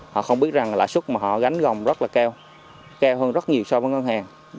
họ không biết rằng lãi suất mà họ gánh gồng rất là cao cao hơn rất nhiều so với ngân hàng